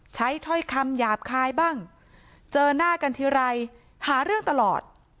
ถ้อยคำหยาบคายบ้างเจอหน้ากันทีไรหาเรื่องตลอด